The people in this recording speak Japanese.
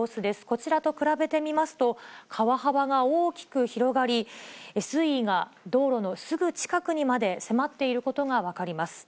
こちらと比べてみますと、川幅が大きく広がり、水位が道路のすぐ近くにまで迫っていることが分かります。